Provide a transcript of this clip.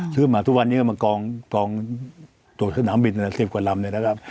ซื้อมาทุกวันนี้มันกองตกหนัมบิน๑๐กว่าลำเลยนะครับ